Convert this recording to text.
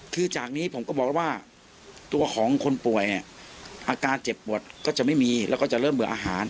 คือจากนี้ผมก็บอกแล้วว่าตัวของคนป่วยอาการเจ็บปวดก็จะไม่มีแล้วก็จะเริ่มเบื่ออาหาร